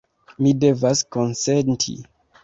Mi devas konsenti.